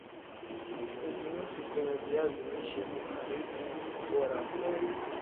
nyuzi nyuzi kwenye viazi lishe uharibu ubora wa viazi